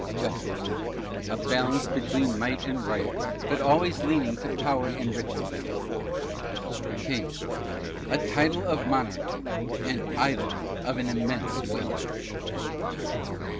Justice. A balance between Might and Right, but always leaning to power and riches. King. A title of Monarchy, and Idol of an immense weight.